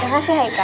terima kasih haikel